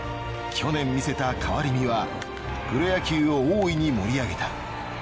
去年見せた変わり身はプロ野球を大いに盛り上げた。